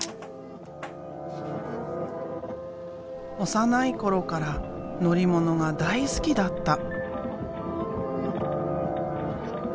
幼い頃から乗り物が大好きだった。